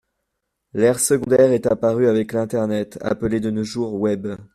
L’ère secondaire est apparue avec l’internet, appelé de nos jours Web.